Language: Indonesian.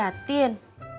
gak di liatin